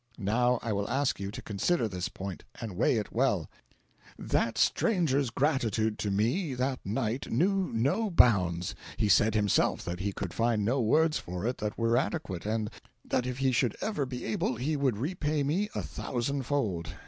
Now I will ask you to consider this point, and weigh it well; that stranger's gratitude to me that night knew no bounds; he said himself that he could find no words for it that were adequate, and that if he should ever be able he would repay me a thousandfold.